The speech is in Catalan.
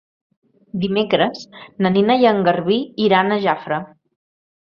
Dimecres na Nina i en Garbí iran a Jafre.